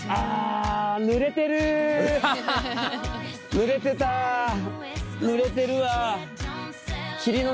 濡れてた濡れてるわ。